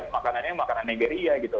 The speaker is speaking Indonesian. makanannya makanan nigeria gitu